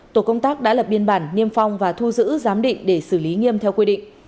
tổ công tác đã lập biên bản niêm phong và thu giữ giám định để xử lý nghiêm theo quy định